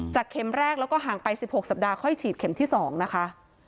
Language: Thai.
เข็มแรกแล้วก็ห่างไป๑๖สัปดาห์ค่อยฉีดเข็มที่๒นะคะ